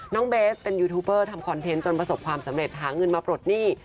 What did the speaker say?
เบสเป็นยูทูปเบอร์ทำคอนเทนต์จนประสบความสำเร็จหาเงินมาปลดหนี้